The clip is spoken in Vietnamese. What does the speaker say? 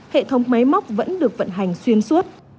hệ thống máy móc vẫn được vận hành xuyên suốt